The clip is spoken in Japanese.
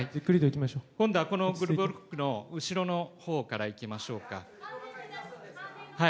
今度は、このグループの後ろのほうからいきましょうか。